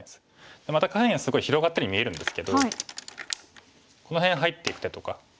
また下辺がすごい広がったように見えるんですけどこの辺入っていく手とか。